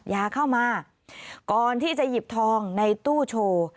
อย่าเข้ามาก่อนที่จะหยิบทองในตู้โชว์